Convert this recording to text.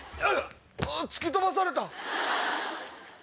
突き飛ばされた。